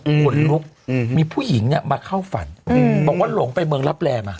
ขนลุกอืมมีผู้หญิงเนี้ยมาเข้าฝันอืมบอกว่าหลงไปเมืองรับแร่มา